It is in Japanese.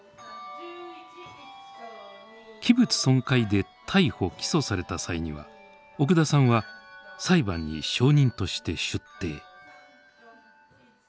器物損壊で逮捕・起訴された際には奥田さんは裁判に証人として出廷。